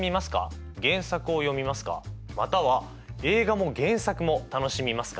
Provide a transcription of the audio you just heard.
または映画も原作も楽しみますか？